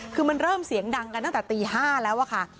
คือมันเริ่มเสียงดังกันตั้งแต่ตี๕แล้วอะค่ะ